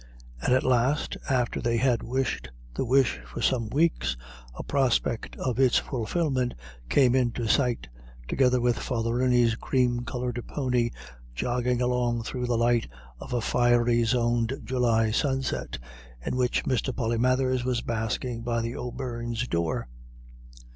And at last, after they had wished the wish for some weeks, a prospect of its fulfilment came into sight together with Father Rooney's cream coloured pony jogging along through the light of a fiery zoned July sunset, in which Mr. Polymathers was basking by the O'Beirnes' door.